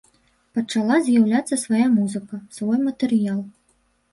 Пачала з'яўляцца свая музыка, свой матэрыял.